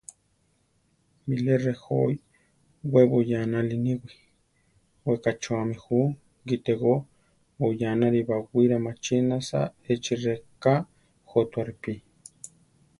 Bilé rejói, we buyánali níwi, we kachúami ju; gítego, buyánari baʼwira maʼchinasa echi rika jótua ripí.